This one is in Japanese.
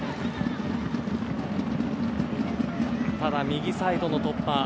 右サイドの突破。